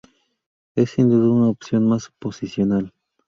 Es sin duda una opción más posicional.